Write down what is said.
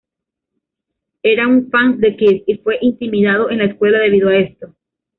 Era un fan de Kiss, y fue intimidado en la escuela debido a esto.